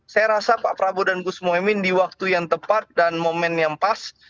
saya rasa pak prabowo dan gus mohaimin di waktu yang tepat dan momen yang pas